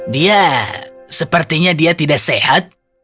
dia sepertinya dia tidak sehat